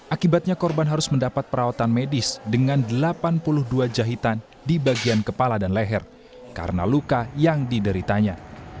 akibatnya korban harus mendapat perawatan medis dengan delapan puluh dua jahitan di bagian kepala dan leher karena luka yang dideritanya